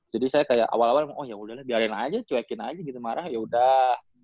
jadi saya kayak awal awalnya oh yaudah lah biarin aja cuekin aja gitu marah yaudah